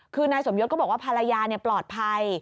คือนายสมยศก็บอกว่าภรรยาปลอดภัย